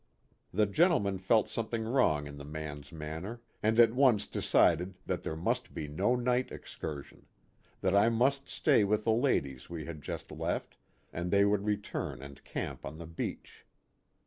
The gentlemen felt something wrong in the man's manner, and at once decided that there must be no night excursion ; that I must stay with the ladies we had just left, and they would return and camp on the beach.